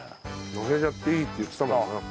のせちゃっていいって言ってたもんな。